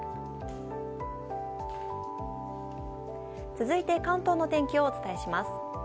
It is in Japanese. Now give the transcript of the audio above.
続いて関東の天気をお伝えします。